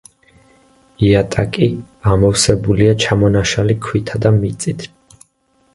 იატაკი ამოვსებულია ჩამონაშალი ქვითა და მიწით.